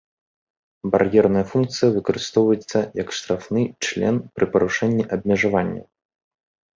Бар'ерная функцыя выкарыстоўваецца як штрафны член пры парушэнні абмежаванняў.